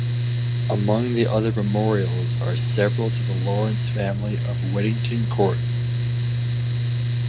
Among the other memorials are several to the Lawrence family of Whittington Court.